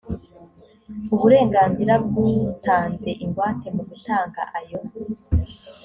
uburenganzira bw’utanze ingwate mu gutanga ayo